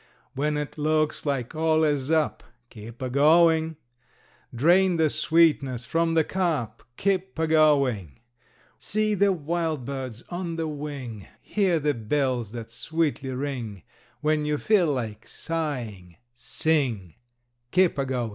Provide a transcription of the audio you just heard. When it looks like all is up, Keep a goin'! Drain the sweetness from the cup, Keep a goin'! See the wild birds on the wing, Hear the bells that sweetly ring, When you feel like sighin' _sing _ Keep a goin'!